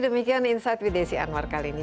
demikian insight with desi anwar kali ini